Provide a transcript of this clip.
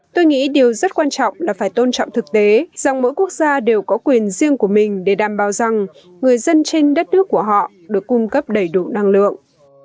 tôi nghĩ điều rất quan trọng là phải tôn trọng thực tế rằng mỗi quốc gia đều có quyền riêng của mình để đảm bảo rằng người dân trên đất nước của họ được cung cấp đầy đủ năng lượng